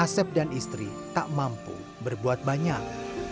asep dan istri tak mampu berbuat banyak